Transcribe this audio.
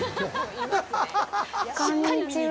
こんにちは。